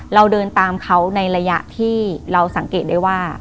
เราเดินตามเขาในระยะที่เราสังเกตได้ว่า